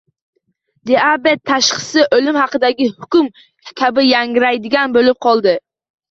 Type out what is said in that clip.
“Diabet” tashxisi o‘lim haqidagi hukm kabi yangraydigan bo‘lib qoldi